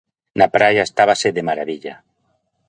Na praia estábase de maravilla!